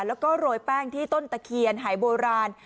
แล้วก็โรยแป้งที่ต้นตะเคียนหายโบราณ